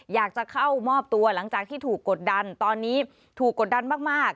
อยากจะเข้ามอบตัวหลังจากที่ถูกกดดันตอนนี้ถูกกดดันมาก